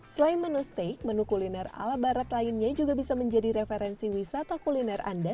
selain menu steak menu kuliner ala barat lainnya juga bisa menjadi referensi wisata kuliner anda